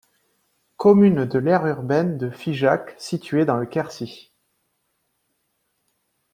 Commune de l'aire urbaine de Figeac située dans le Quercy.